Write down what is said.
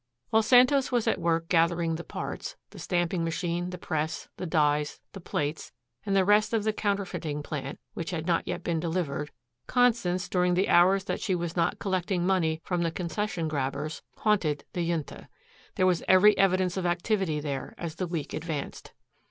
While Santos was at work gathering the parts, the stamping machine, the press, the dies, the plates, and the rest of the counterfeiting plant which had not yet been delivered, Constance, during the hours that she was not collecting money from the concession grabbers, haunted the Junta. There was every evidence of activity there as the week advanced.